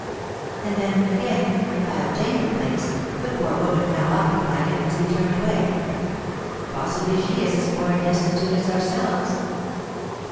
And then, again, if I obtained the place, the poor woman now occupying it must be turned away. Possibly she is as poor and destitute as ourselves.